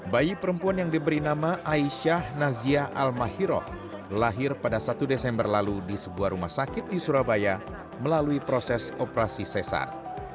bayi perempuan yang diberi nama aisyah nazia almahiroh lahir pada satu desember lalu di sebuah rumah sakit di surabaya melalui proses operasi sesar